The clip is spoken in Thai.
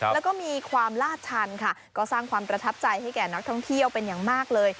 แล้วก็มีความลาดชันค่ะก็สร้างความประทับใจให้แก่นักท่องเที่ยวเป็นอย่างมากเลย